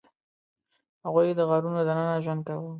هغوی د غارونو دننه ژوند کاوه.